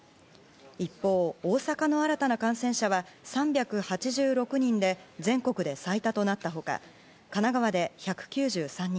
一方、大阪の新たな感染者は３８６人で全国で最多となった他神奈川で１９３人